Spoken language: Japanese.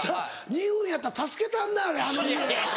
２分やったら助けたんなはれあの家。